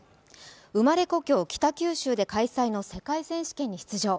生まれ故郷、北九州で開催の世界選手権に出場。